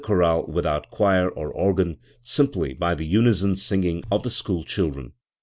chorale without choir or organ, simply by the unison singing of the school children.